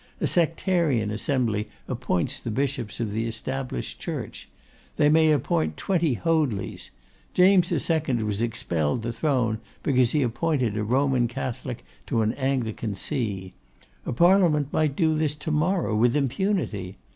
A sectarian assembly appoints the bishops of the Established Church. They may appoint twenty Hoadleys. James II was expelled the throne because he appointed a Roman Catholic to an Anglican see. A Parliament might do this to morrow with impunity.